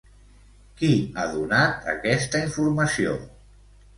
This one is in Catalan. Qui ha donat aquesta informació?